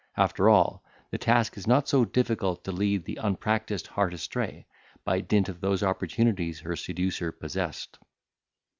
After all, the task is not difficult to lead the unpractised heart astray, by dint of those opportunities her seducer possessed.